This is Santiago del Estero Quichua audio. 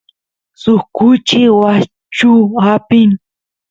suk kuchi washchu apini